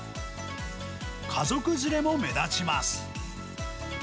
家族連れも目立ちます。